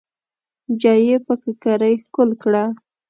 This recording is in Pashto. بيا يې پر ککرۍ ښکل کړه.